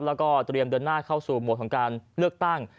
แล้วก็เตรียมเดินหน้าเข้าสู่โหมดของการเลือกตั้ง